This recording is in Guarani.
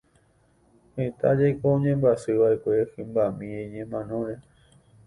Heta jeko oñembyasyva'ekue hymbami ñemanóre.